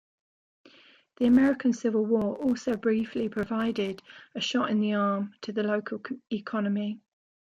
The American Civil War, also, briefly, provided a shot-in-the-arm to the local economy.